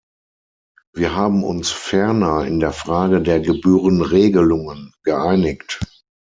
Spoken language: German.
Wir haben uns ferner in der Frage der Gebührenregelungen geeinigt.